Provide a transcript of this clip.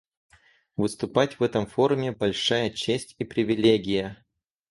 Выступать в этом форуме — большая честь и привилегия.